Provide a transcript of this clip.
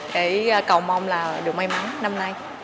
để cầu mong là được may mắn năm nay